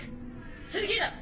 次だ！